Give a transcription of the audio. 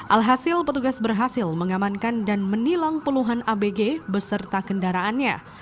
alhasil petugas berhasil mengamankan dan menilang puluhan abg beserta kendaraannya